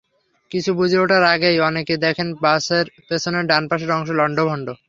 কিছু বুঝে ওঠার আগেই অনেকে দেখেন, বাসের পেছনে ডান পাশের অংশ লন্ডভন্ড।